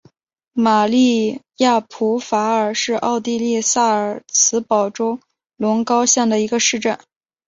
玛丽亚普法尔是奥地利萨尔茨堡州隆高县的一个市镇。